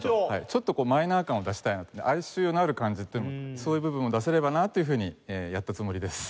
ちょっとこうマイナー感を出したいなって哀愁のある感じっていうのもそういう部分を出せればなっていうふうにやったつもりです。